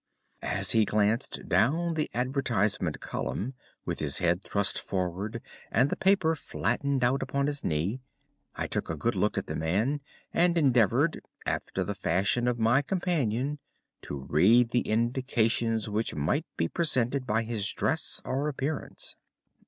As he glanced down the advertisement column, with his head thrust forward and the paper flattened out upon his knee, I took a good look at the man and endeavoured, after the fashion of my companion, to read the indications which might be presented by his dress or appearance.